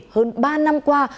hơn ba năm qua